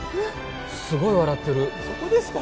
すごい笑ってるそこですか？